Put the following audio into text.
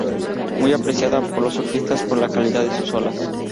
Muy apreciada por los surfistas por la calidad de sus olas.